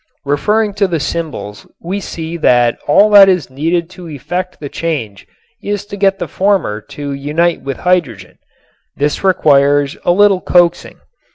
Referring to the symbols we see that all that is needed to effect the change is to get the former to unite with hydrogen. This requires a little coaxing.